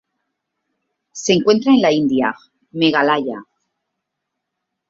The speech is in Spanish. Se encuentra en la India: Meghalaya.